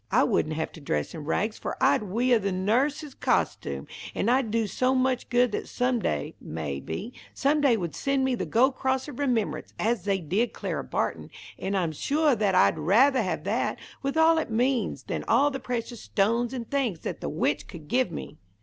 I wouldn't have to dress in rags, for I'd weah the nurse's costume, and I'd do so much good that some day, may be, somebody would send me the Gold Cross of Remembrance, as they did Clara Barton, and I'm suah that I'd rathah have that, with all it means, than all the precious stones and things that the witch could give me."